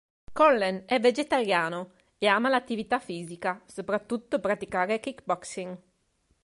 Collen è vegetariano e ama l'attività fisica, soprattutto praticare Kick Boxing.